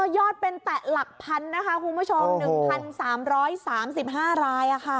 ยอดเป็นแตะหลักพันนะคะคุณผู้ชม๑๓๓๕ราย